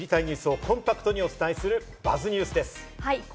続いては、見たい知りたいニュースをコンパクトにお伝えする「ＢＵＺＺニュース」です。